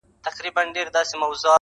ساړه بادونه له بهاره سره لوبي کوي-